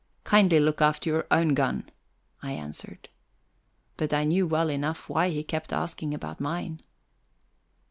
"Kindly look after your own gun," I answered. But I knew well enough why he kept asking about mine.